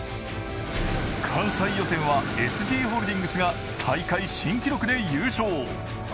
関西予選はＳＧホールディングスグループが大会新記録で優勝。